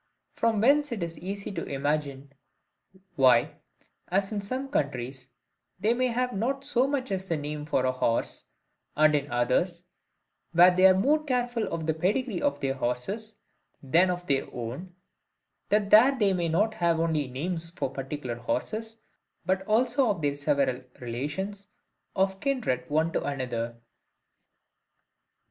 From whence it is easy to imagine why, as in some countries, they may have not so much as the name for a horse; and in others, where they are more careful of the pedigrees of their horses, than of their own, that there they may have not only names for particular horses, but also of their several relations of kindred one to another.